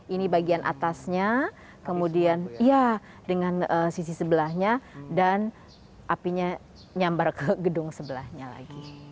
ini bagian atasnya kemudian ya dengan sisi sebelahnya dan apinya nyambar ke gedung sebelahnya lagi